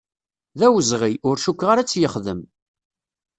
D awezɣi, ur cukkeɣ ara a tt-yexdem.